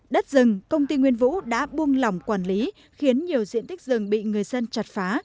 đất rừng công ty nguyên vũ đã buông lỏng quản lý khiến nhiều diện tích rừng bị người dân chặt phá